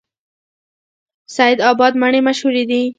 سید اباد مڼې مشهورې دي؟